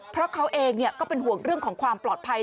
เพราะเขาเองก็เป็นห่วงเรื่องของความปลอดภัย